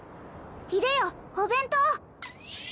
いでよお弁当